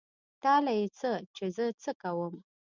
تا له يې څه چې زه څه کوم.